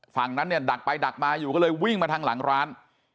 ฝั่งนั้นเนี่ยดักไปดักมาอยู่ก็เลยวิ่งมาทางหลังร้าน